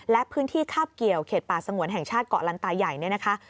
และพื้นที่คาบเกี่ยวเขตป่าสงวนแห่งชาติเกาะลันตาใหญ่เนี่ยนะคะ